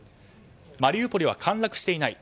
マリウポリは陥落していない。